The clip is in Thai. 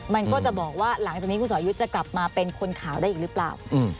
มันก็จะบอกว่าหลังจากนี้คุณสอยุทธ์จะกลับมาเป็นคนข่าวได้อีกหรือเปล่า